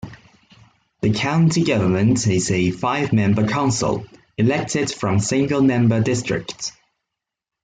The county government is a five-member council, elected from single-member districts.